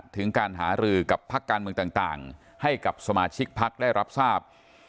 ถึงการหารือกับพักการเมืองต่างให้กับสมาชิกพักได้รับทราบ